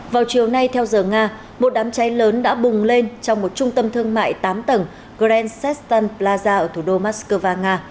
vào chiều nay theo giờ nga một đám cháy lớn đã bùng lên trong một trung tâm thương mại tám tầng green sastein plaza ở thủ đô moscow nga